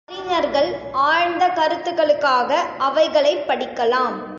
அறிஞர்கள் ஆழ்ந்த கருத்துக்களுக்காக அவைகளைப் படிக்கலாம்.